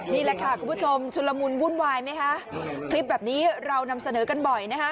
นี่แหละค่ะคุณผู้ชมชุลมุนวุ่นวายไหมคะคลิปแบบนี้เรานำเสนอกันบ่อยนะฮะ